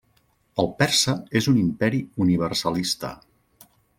El persa és un imperi universalista.